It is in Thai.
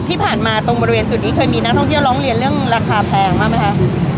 ที่ผ่านมาตรงบริเวณจุดนี้เคยมีนักท่องเที่ยวร้องเรียนเรื่องราคาแพงบ้างไหมคะ